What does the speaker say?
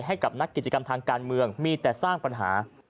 ให้กับนักกิจกรรมทางการเมืองมีแต่สร้างปัญหา